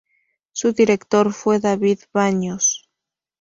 Su director fue David Baños.